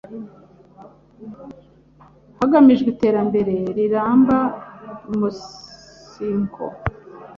hagamijwe iterambere riramba umunsiko